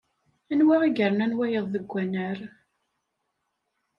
Anwa i yernan wayeḍ deg annar?